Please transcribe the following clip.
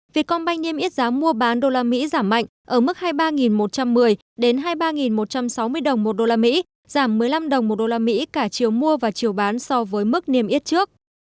việt công banh niêm yết giá mua bán usd giảm mạnh ở mức hai mươi ba một trăm một mươi đến hai mươi ba một trăm sáu mươi đồng một usd giảm một mươi năm đồng một usd cả chiều mua và chiều bán so với mức niêm yết trước